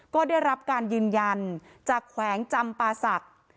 ก็ได้รับการยืนยันจากแขวงจำปาศักดิ์